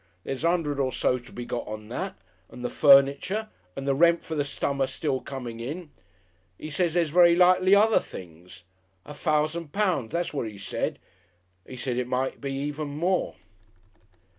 There's a 'undred or so to be got on that, and the furniture and the rent for the summer still coming in. 'E says there's very likely other things. A fousand pounds, that's what 'e said. 'E said it might even be more."...